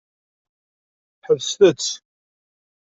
Ḥebset-tt.